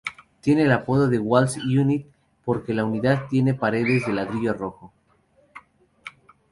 Tiene el apodo "Walls Unit" porque la unidad tiene paredes de ladrillo rojo.